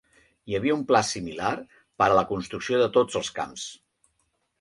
Hi havia un pla similar per a la construcció de tots els camps.